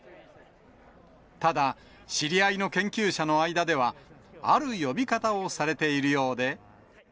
ただ、知り合いの研究者の間では、ある呼び方をされているようで。